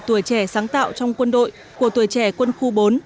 tuổi trẻ sáng tạo trong quân đội của tuổi trẻ quân khu bốn